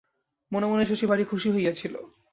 মনে মনে শশী ভারি খুশি হইয়াছিল।